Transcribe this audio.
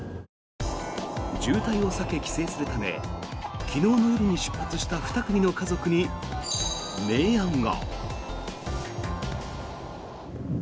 渋滞を避け帰省するため昨日の夜に出発した２組の家族に明暗が。